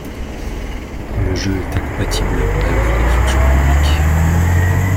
Le jeu est incompatible avec les fonctions publiques.